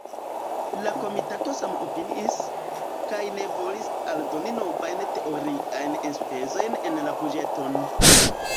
La Komitato samopiniis, kaj ne volis aldoni novajn teoriajn enspezojn en la buĝeton.